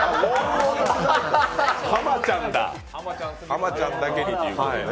浜ちゃんだけにということでね。